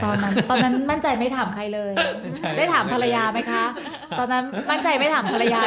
ตอนนั้นตอนนั้นมั่นใจไม่ถามใครเลยได้ถามภรรยาไหมคะตอนนั้นมั่นใจไม่ถามภรรยา